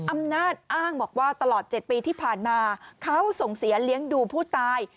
อำนาจอ้างบอกว่าตลอด๗ปีที่ผ่านมาเขาส่งเสียเลี้ยงดูผู้ตาย